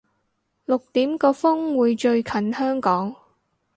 六點個風會最近香港